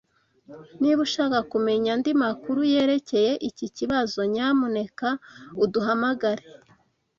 Niba ushaka kumenya andi makuru yerekeye iki kibazo, nyamuneka uduhamagare.